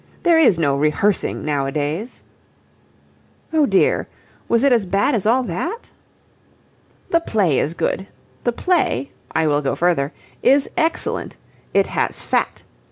"There is no rehearsing nowadays." "Oh dear! Was it as bad as all that?" "The play is good. The play I will go further is excellent. It has fat.